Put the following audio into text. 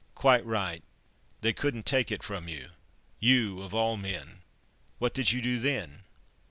"Quite right—they couldn't take it from you—you of all men. What did you do then?"